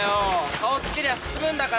顔つけりゃ進むんだからさ。